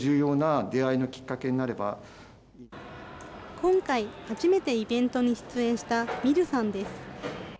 今回、初めてイベントに出演したｍｉｒｕさんです。